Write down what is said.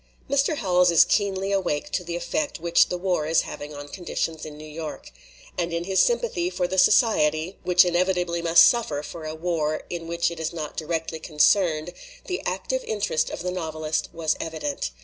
Mr. Howells is keenly awake to the effect which the war is having on conditions in New York. And in his sympathy for the society which in evitably must suffer for a war in which it is not directly concerned, the active interest of the novelist was evident.